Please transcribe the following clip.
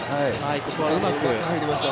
うまく入りました。